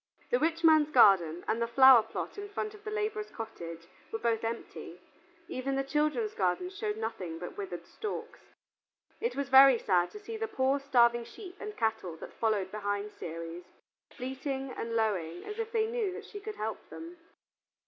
The rich man's garden and the flower plot in front of the laborer's cottage were both empty; even the children's gardens showed nothing but withered stalks. It was very sad to see the poor starving sheep and cattle that followed behind Ceres, bleating and lowing as if they knew that she could help them.